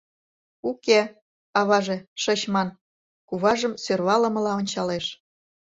— Уке, аваже, шыч ман... — куважым сӧрвалымыла ончалеш.